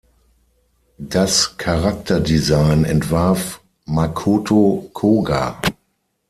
Das Character-Design entwarf Makoto Koga.